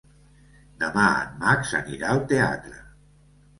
Demà en Max anirà al teatre.